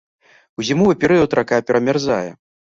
У зімовы перыяд рака перамярзае.